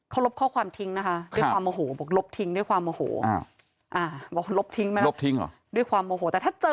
เขารบข้อความทิ้งนะคะด้วยความโมโห